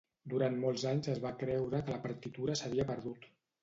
Durant molts anys es va creure que la partitura s'havia perdut.